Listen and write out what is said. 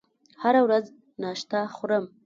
هره ورځ ناشته خورم